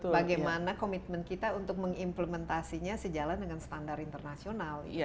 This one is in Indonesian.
bagaimana komitmen kita untuk mengimplementasinya sejalan dengan standar internasional